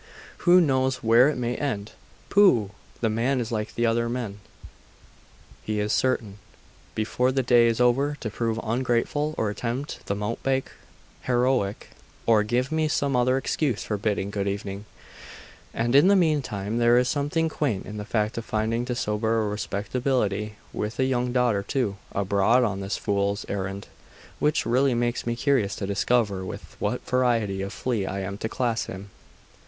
Who knows where it may end? Pooh! The man is like other men. He is certain, before the day is over, to prove ungrateful, or attempt the mountebank heroic, or give me some other excuse for bidding good evening. And in the meantime there is something quaint in the fact of finding so sober a respectability, with a young daughter too, abroad on this fool's errand, which really makes me curious to discover with what variety of flea I am to class him.